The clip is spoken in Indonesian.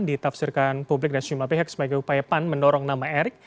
ditafsirkan publik dan sejumlah pihak sebagai upaya pan mendorong nama erick